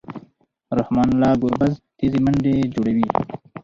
رحمن الله ګربز تېزې منډې جوړوي.